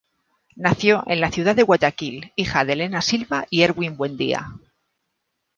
Nació en la ciudad de Guayaquil, hija de Elena Silva y Erwin Buendía.